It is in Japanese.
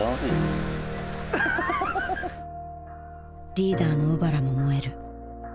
リーダーの小原も燃える。